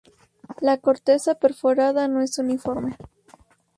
La corteza perforada no es uniforme.